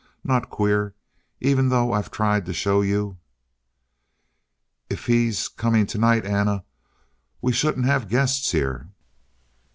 Not queer even though I've tried to show you " "If he he's coming tonight, Anna we shouldn't have guests here."